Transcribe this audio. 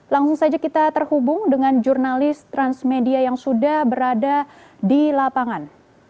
langsung saja kita terhubung dengan jurnalis transmedia yang sudah berada di lapangan